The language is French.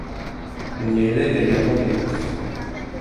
On y élève également des bœufs.